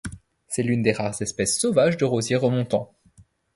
C'est l'une des rares espèces sauvages de rosiers remontants.